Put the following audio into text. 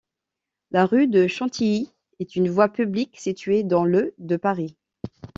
La rue de Chantilly est une voie publique située dans le de Paris.